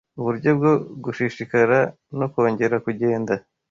Uburyo bwo gushishikara no kongera kugenda